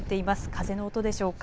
風の音でしょうか。